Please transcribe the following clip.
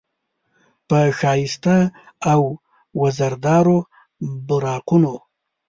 په ښایسته او وزردارو براقونو،